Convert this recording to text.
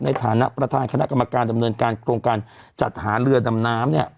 ในฐานะประธานคณะกรรมการดำเนินการโครงการจัดหาเรือดำน้ำเนี่ย